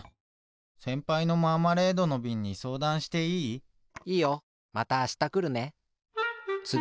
せんぱいのマーマレードのびんにそうだんしていい？いいよ。またあしたくるね。